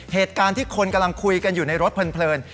เหตุการณ์ที่คนกำลังคุยกันอยู่ในรถเพลิน